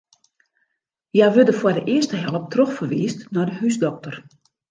Hja wurde foar de earste help trochferwiisd nei de húsdokter.